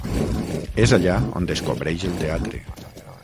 És allà on descobreix el teatre.